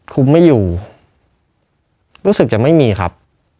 ไม่อยู่รู้สึกจะไม่มีครับ